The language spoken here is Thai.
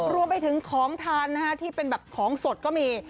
รวมไปถึงของทานนะฮะที่เป็นแบบของสดก็มี